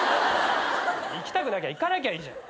行きたくなきゃ行かなきゃいいじゃん。